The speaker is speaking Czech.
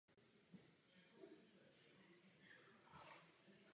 Navíc Hamilton musel vzdorovat vnitřnímu nepříteli ve Skotsku a musel rozdělit své síly.